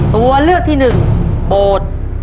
ตัวเลือกที่๑โบสถ์